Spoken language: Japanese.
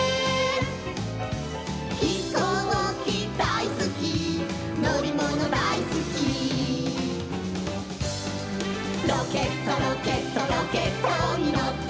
「ひこうきだいすきのりものだいすき」「ロケットロケットロケットにのって」